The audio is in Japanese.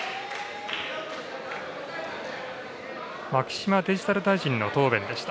牧島デジタル大臣の答弁でした。